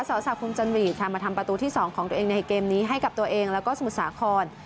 สาวศักคุณจันหรีดค่ะมาทำประตูที่๒ของตัวเองในเกมนี้ให้กับตัวเองแล้วก็สมุทรสาคร